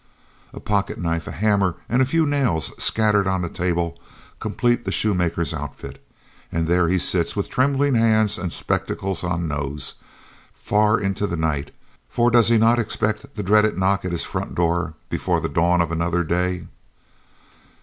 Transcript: A pocket knife, a hammer, and a few nails scattered on the table complete the shoemaker's outfit, and there he sits, with trembling hands and spectacles on nose, far into the night, for does he not expect the dreaded knock at his front door before the dawn of another day?